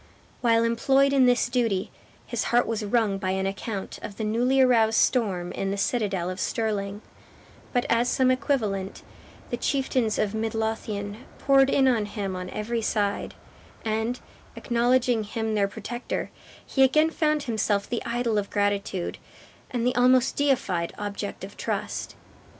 While employed in this duty, his heart was wrung by an account of the newly aroused storm in the citadel of Stirling; but as some equivalent, the chieftains of Mid Lothian poured in on him on every side; and, acknowledging him their protector, he again found himself the idol of gratitude, and the almost deified object of trust.